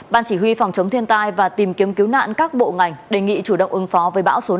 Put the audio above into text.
ban chỉ huy phòng chống thiên tai và tìm kiếm cứu nạn các bộ ngành đề nghị chủ động ứng phó với bão số năm